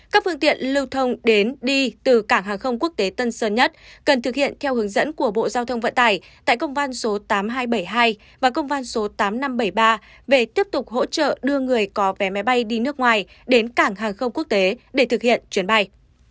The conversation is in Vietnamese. các phương tiện lưu thông đến đi từ cảng hàng không quốc tế tân sơn nhất cần thực hiện theo hướng dẫn của bộ giao thông vận tải tại công văn số tám nghìn hai trăm bảy mươi hai và công văn số tám nghìn năm trăm bảy mươi ba về tiếp tục hỗ trợ đưa người có vé máy bay đi nước ngoài đến cảng hàng không quốc tế để thực hiện chuyến bay